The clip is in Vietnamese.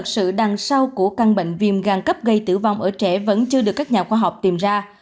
sự đằng sau của căn bệnh viêm gan cấp gây tử vong ở trẻ vẫn chưa được các nhà khoa học tìm ra